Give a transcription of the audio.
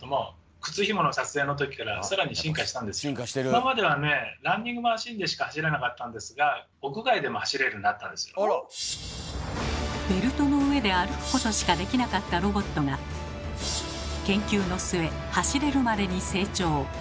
今まではねランニングマシンでしか走れなかったんですがベルトの上で歩くことしかできなかったロボットが研究の末走れるまでに成長。